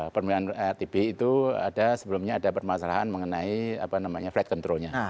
permulaan rtb itu ada sebelumnya ada permasalahan mengenai flight control nya